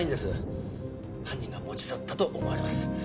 犯人が持ち去ったと思われます。